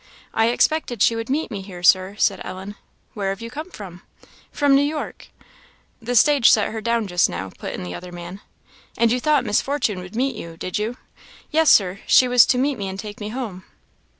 "I expected she would meet me here, Sir," said Ellen "Where have you come from?" "From New York." "The stage set her down just now," put in the other man. "And you thought Miss Fortune would meet you, did you?" "Yes, Sir; she was to meet me and take me home."